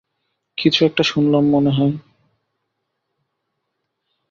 কিছু একটা শুনলাম মনে হয়।